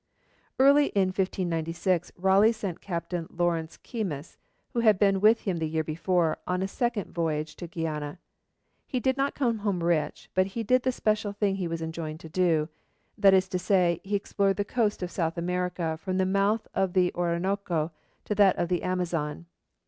Early in 1596, Raleigh sent Captain Lawrence Keymis, who had been with him the year before, on a second voyage to Guiana. He did not come home rich, but he did the special thing he was enjoined to do that is to say, he explored the coast of South America from the mouth of the Orinoco to that of the Amazon.